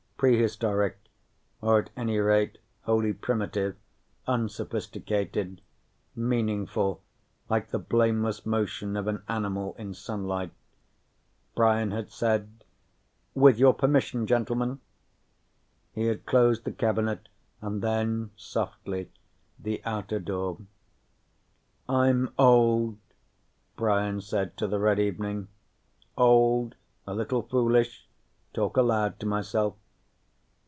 Prehistoric, or at any rate wholly primitive, unsophisticated, meaningful like the blameless motion of an animal in sunlight, Brian had said: "With your permission, gentlemen." He had closed the cabinet and then, softly, the outer door. "I'm old," Brian said to the red evening. "Old, a little foolish, talk aloud to myself.